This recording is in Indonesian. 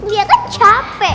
liat tuh capek